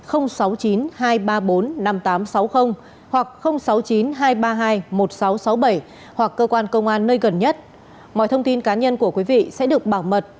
hoặc sáu mươi chín hai trăm ba mươi hai một nghìn sáu trăm sáu mươi bảy hoặc cơ quan công an nơi gần nhất mọi thông tin cá nhân của quý vị sẽ được bảo mật